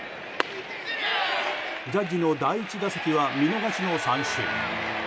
ジャッジの第１打席は見逃しの三振。